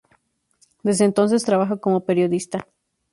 Desde entonces trabaja como periodista.